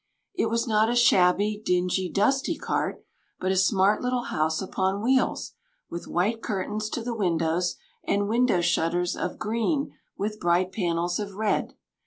It was not a shabby, dingy, dusty cart, but a smart little house upon wheels, with white curtains to the windows, and window shutters of green with bright panels of red.